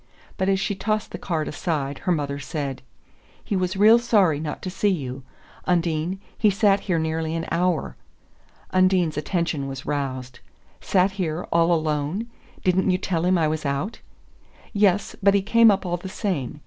But as she tossed the card aside her mother said: "He was real sorry not to see you. Undine he sat here nearly an hour." Undine's attention was roused. "Sat here all alone? Didn't you tell him I was out?" "Yes but he came up all the same.